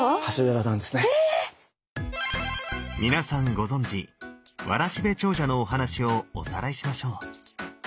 皆さんご存じ「わらしべ長者」のお話をおさらいしましょう。